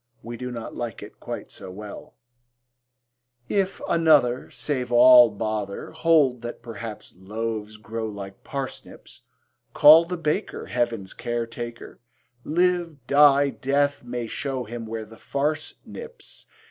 We do not like it quite so well: If another Save all bother, Hold that perhaps loaves grow like parsnips: Call the baker Heaven's care taker, Live, die; Death may show him where the farce nips.